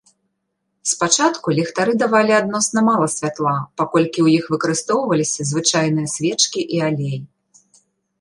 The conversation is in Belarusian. Спачатку ліхтары давалі адносна мала святла, паколькі ў іх выкарыстоўваліся звычайныя свечкі і алей.